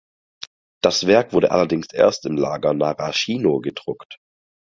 Das Werk wurde allerdings erst im Lager Narashino gedruckt.